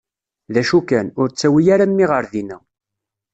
D acu kan, ur ttawi ara mmi ɣer dinna.